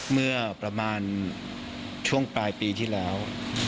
เมื่อประมาณช่วงปลายปีที่แล้ว